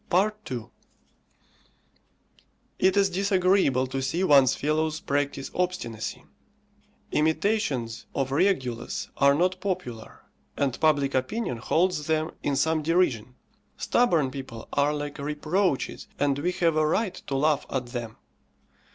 II. It is disagreeable to see one's fellows practise obstinacy. Imitations of Regulus are not popular, and public opinion holds them in some derision. Stubborn people are like reproaches, and we have a right to laugh at them.